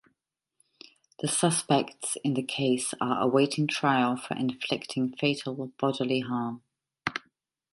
The suspects in the case are awaiting trial for inflicting fatal bodily harm.